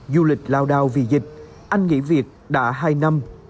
du lịch lao đao vì dịch anh nghỉ việc đã hai năm